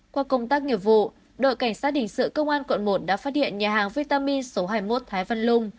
qua công tác nghiệp vụ đội cảnh sát hình sự công an quận một đã phát hiện nhà hàng vitamin số hai mươi một thái văn lung